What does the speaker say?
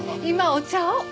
今お茶を。